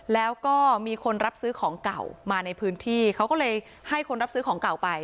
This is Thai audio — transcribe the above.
แล้วก็มีคนรับซื้อของเก่ามาในพื้นที่เขาก็เลยให้คนรับซื้อของเก่าไป